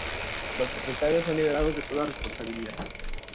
Los propietarios son liberados de toda responsabilidad.